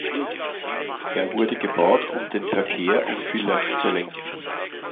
Er wurde gebaut, um den Verkehr um Villach zu lenken.